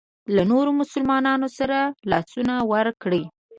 له نورو مسلمانانو سره لاسونه ورکړي.